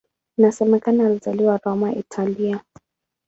Inasemekana alizaliwa Roma, Italia.